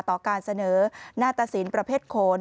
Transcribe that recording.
ต่อการเสนอหน้าตะสินประเภทโขน